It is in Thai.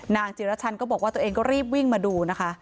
จิรชันก็บอกว่าตัวเองก็รีบวิ่งมาดูนะคะ